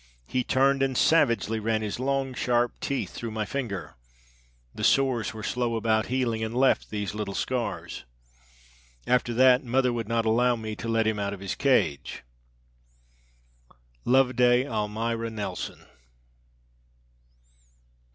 He turned and savagely ran his long, sharp teeth through my finger. The sores were slow about healing and left these little scars. After that mother would not allow me to let him out of his cage." Loveday Almira Nelson.